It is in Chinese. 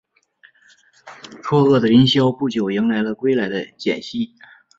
错愕的林萧不久迎来了归来的简溪。